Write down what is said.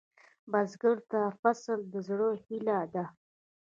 بزګر ته فصل د زړۀ هيله ده